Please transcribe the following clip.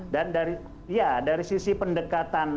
dan dari ya dari sisi pendekatan